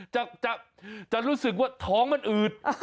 จะรู้สึกว่าท้องมันอืด